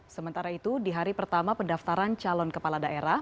sementara itu di hari pertama pendaftaran calon kepala daerah